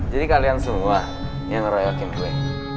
jadi kalian semua yang ngeroyokin gue